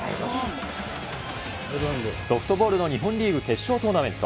ソフトボールの日本リーグ決勝トーナメント。